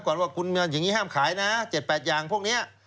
คุยกันก่อนว่าอย่างนี้ห้ามขายนะ๗๘อย่างพวกนี้